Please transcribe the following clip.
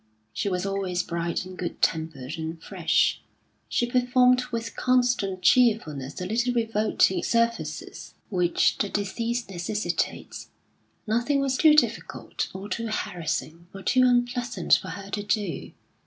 She was always bright and good tempered and fresh; she performed with constant cheerfulness the little revolting services which the disease necessitates; nothing was too difficult, or too harassing, or too unpleasant for her to do.